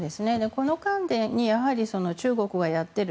この間に、中国がやっている